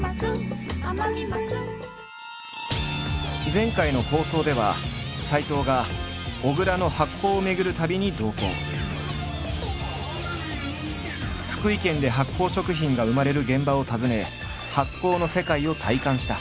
前回の放送では斎藤が小倉の福井県で発酵食品が生まれる現場を訪ね発酵の世界を体感した。